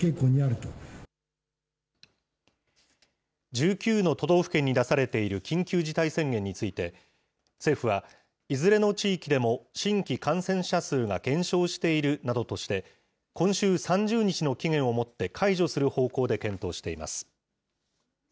１９の都道府県に出されている緊急事態宣言について、政府はいずれの地域でも新規感染者数が減少しているなどとして、今週３０日の期限をもって解除する方向で検討しています。